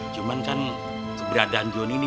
cuman kan keberadaan jonny nih